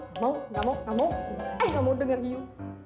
gak mau gak mau gak mau ayu gak mau denger yu